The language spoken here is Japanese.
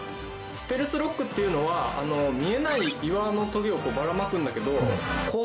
ステルスロックっていうのは見えないいわのとげをばらまくんだけど。